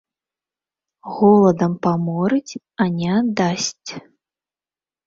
Голадам паморыць, а не аддасць.